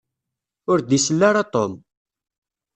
Ur d-isel ara Tom.